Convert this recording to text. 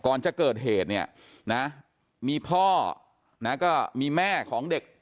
ก่อนจะเกิดเหตุเนี่ยนะมีพ่อนะก็มีแม่ของเด็ก